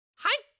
はい。